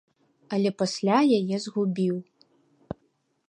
Але пасля яе згубіў.